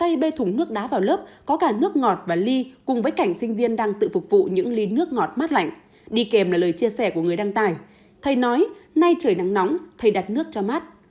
đây bê thùng nước đá vào lớp có cả nước ngọt và ly cùng với cảnh sinh viên đang tự phục vụ những ly nước ngọt mát lạnh đi kèm là lời chia sẻ của người đăng tải nói nay trời nắng nóng thầy đặt nước cho mát